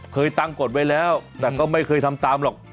เคยตั้งกฎไว้แล้วแต่ก็ไม่เคยทำตามหรอก